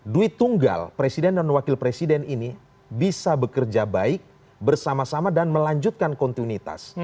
duit tunggal presiden dan wakil presiden ini bisa bekerja baik bersama sama dan melanjutkan kontinuitas